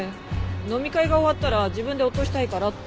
飲み会が終わったら自分で落としたいからって。